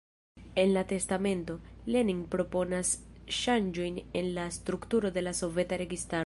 En la testamento, Lenin proponas ŝanĝojn en la strukturo de la soveta registaro.